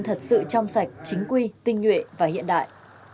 thật sự trong sạch chính quy tinh nhuệ và hiện đại